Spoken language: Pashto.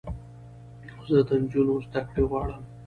زه د انجونوو زدکړې غواړم